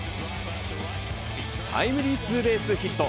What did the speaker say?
タイムリーツーベースヒット。